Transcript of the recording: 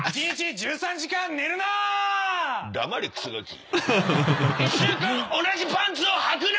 １週間同じパンツをはくな！